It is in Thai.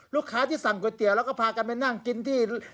ลูกค้าที่สั่งก๋วยเตี๋ยวแล้วก็พากันไปนั่งกินที่